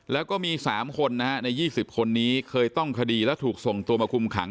แล้วก็มี๓คนนะฮะใน๒๐คนนี้เคยต้องคดีแล้วถูกส่งตัวมาคุมขัง